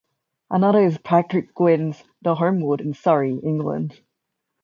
Another is Patrick Gwynne's The Homewood in Surrey, England.